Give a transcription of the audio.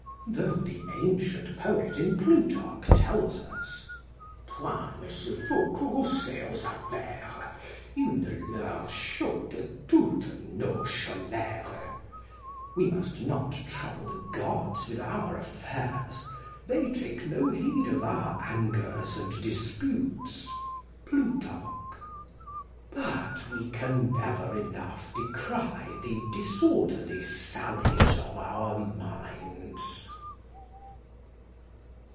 Though the ancient poet in Plutarch tells us "Point ne se faut couroucer aux affaires, Il ne leur chault de toutes nos choleres." ["We must not trouble the gods with our affairs; they take no heed of our angers and disputes." Plutarch.] But we can never enough decry the disorderly sallies of our minds.